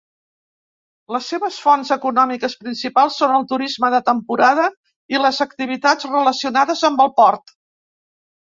Les seves fonts econòmiques principals són el turisme de temporada i les activitats relacionades amb el port.